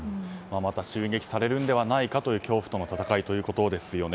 また襲撃されるのではないかという恐怖との闘いということですよね。